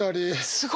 すごい！